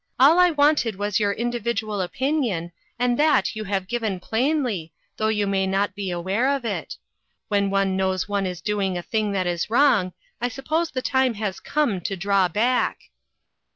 " All I wanted was your individual opinion, and that you have given plainly, though you may not be aware of it. When one knows one is doing a thing that is wrong, I suppose the time has come to draw back."